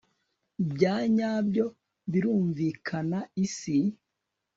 byanyabyo birumvikana isi